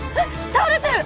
倒れてる！